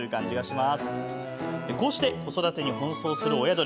こうして子育てに奔走する親鳥。